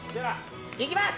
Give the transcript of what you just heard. いきます。